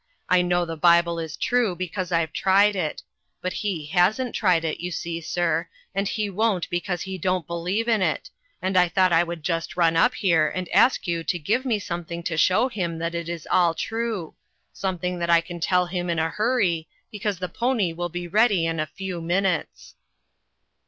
I know the Bible is true, because I've tried it; but he hasn't tried it, you see, sir, and he won't because he don't believe in it, and I thought I would just run up here and ask you to give me something to show him that it is all true ; something 312 INTERRUPTED. that I can tell him in a hurry, because the pony will be ready in a few minutes."